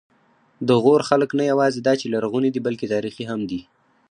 د غور خلک نه یواځې دا چې لرغوني دي، بلکې تاریخي هم دي.